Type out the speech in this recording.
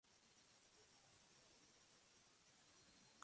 En los shows de Estados Unidos y Canadá compartió cartel con Enrique Iglesias.